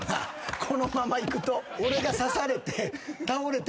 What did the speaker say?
このままいくと俺が刺されて。